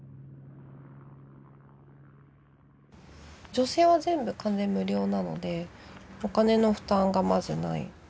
女性は全部完全無料なのでお金の負担がまずない。